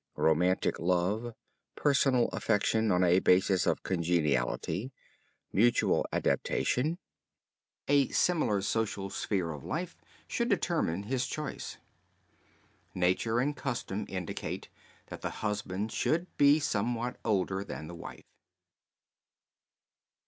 Romantic love, personal affection on a basis of congeniality, mutual adaptation, a similar social sphere of life, should determine his choice. Nature and custom indicate that the husband should be somewhat older than the wife.